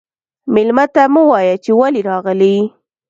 مېلمه ته مه وايه چې ولې راغلې.